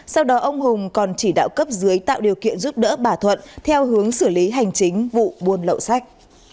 sau đó ông hùng còn chỉ đạo cấp dưới tạo điều kiện giúp đỡ bà thuận theo hướng xử lý hành chính vụ buôn lậu sách